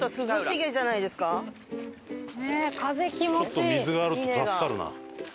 ちょっと水があると助かるな。